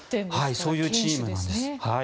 そういうチームなんです。